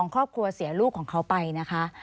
ครอบครัวเสียลูกของเขาไปนะคะ